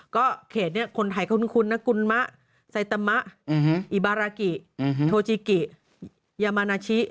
ก็เขตนี้คนไทยคุ้นนะกุลมะไซตามะอิบารากิโทจิกิยามานาชิ